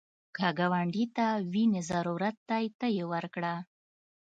که ګاونډي ته وینې ضرورت دی، ته یې ورکړه